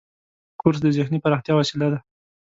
کورس د ذهني پراختیا وسیله ده.